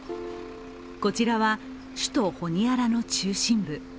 こちらは首都ホニアラの中心部。